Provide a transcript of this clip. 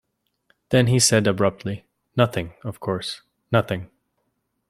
Then he said abruptly: "Nothing, of course; nothing."